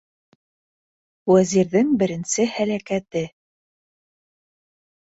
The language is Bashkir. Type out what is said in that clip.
ВӘЗИРҘЕҢ БЕРЕНСЕ ҺӘЛӘКӘТЕ